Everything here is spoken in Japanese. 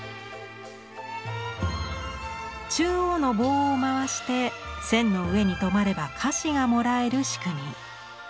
中央の棒を回して線の上に止まれば菓子がもらえる仕組み。